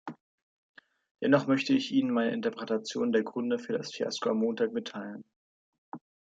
Dennoch möchte ich Ihnen meine Interpretation der Gründe für das Fiasko am Montag mitteilen.